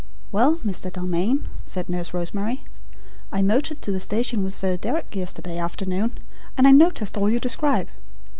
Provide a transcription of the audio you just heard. "Well, Mr. Dalmain," said Nurse Rosemary, "I motored to the station with Sir Deryck yesterday afternoon, and I noticed all you describe.